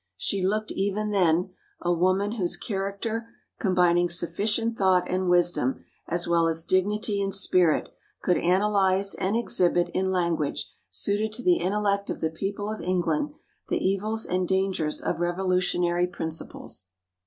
She looked, even then, a woman whose character, combining sufficient thought and wisdom, as well as dignity and spirit, could analyse and exhibit, in language suited to the intellect of the people of England, the evils and dangers of revolutionary principles.